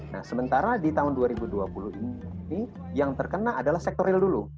nah sementara di tahun dua ribu dua puluh ini yang terkena adalah sektor real dulu